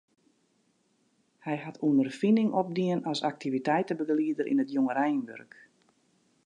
Hy hat ûnderfining opdien as aktiviteitebegelieder yn it jongereinwurk.